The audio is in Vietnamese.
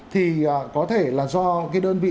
thì có thể là do cái đơn vị